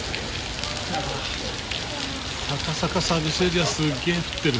高坂サービスエリアすげぇ降ってる。